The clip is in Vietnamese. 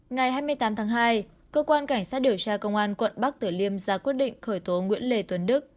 ngày hai mươi tám tháng hai cơ quan cảnh sát điều tra công an quận bắc tử liêm ra quyết định khởi tố nguyễn lê tuấn đức